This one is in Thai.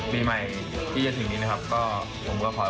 ปีใหม่ที่จะถึงนี้นะครับ